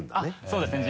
そうですね。